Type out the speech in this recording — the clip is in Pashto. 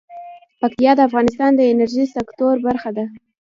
پکتیا د افغانستان د انرژۍ سکتور برخه ده.